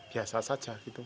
biasa saja gitu